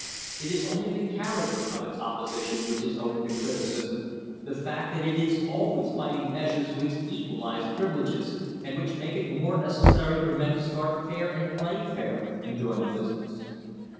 It is only the character of its opposition which is open to criticism, the fact that it is always fight ing measures which equalise privileges and which make it more necessary for men to start fair and play fair in doing business.